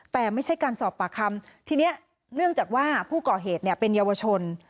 แต่ไม่ใช่การสอบปากคำทีนี้เนื่องจากว่าผู้ก่อเหตุเนี่ยเป็นเยาวชน